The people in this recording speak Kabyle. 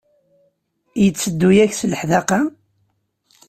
Yetteddu-ak s leḥdaqa?